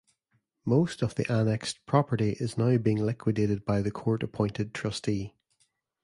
Most of the annexed property is now being liquidated by the court appointed trustee.